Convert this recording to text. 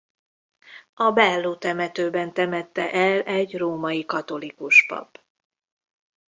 A Bellu temetőben temette el egy római katolikus pap.